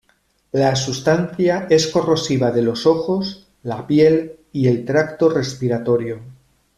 La sustancia es corrosiva de los ojos, la piel y el tracto respiratorio.